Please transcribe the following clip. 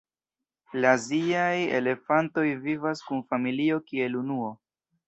La aziaj elefantoj vivas kun familio kiel unuo.